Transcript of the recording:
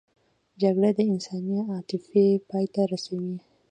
جګړه د انساني عاطفې پای ته رسوي